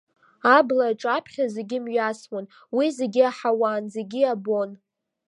Абла аҿаԥхьа зегьы мҩасуан, уи зегьы аҳауан, зегьы абон.